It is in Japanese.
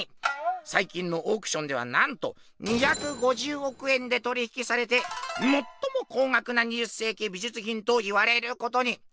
さいきんのオークションではなんと２５０億円で取り引きされて「最も高額な２０世紀美術品」と言われることに。